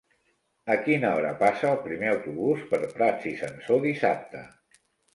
A quina hora passa el primer autobús per Prats i Sansor dissabte?